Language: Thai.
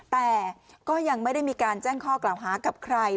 แต่ก็ยังไม่ได้มีการแจ้งข้อกล่าวหากับใคร